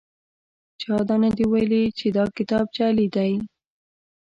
چا دا نه دي ویلي چې دا کتاب جعلي دی.